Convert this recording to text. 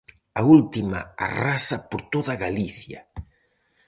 A última arrasa por toda Galicia.